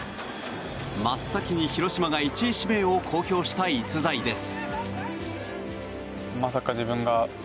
真っ先に広島が１位指名を公表した逸材です。